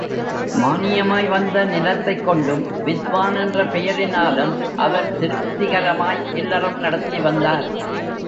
மானியமாய் வந்த நிலத்தைக் கொண்டும் வித்வான் என்ற பெயரினாலும் அவர் திருப்திகரமாய் இல்லறம் நடத்தி வந்தார்.